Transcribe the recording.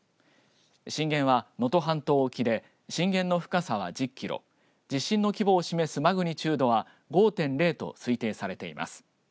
震源は能登半島沖で震源の深さは１０キロ地震の規模を示すマグニチュードは５．０と推定されています。